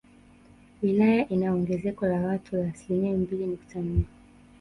Wilaya ina ongezeko la watu la asilimia mbili nukta nne